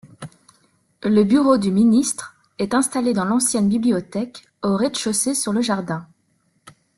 Le bureau du ministre est installé dans l'ancienne bibliothèque, au rez-de-chaussée sur le jardin.